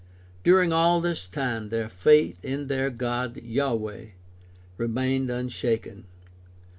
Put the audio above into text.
During all this time their faith in their God Yahweh remained unshaken.